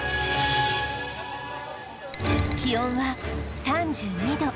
気温は３２度